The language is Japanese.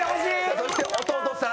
そして弟さん。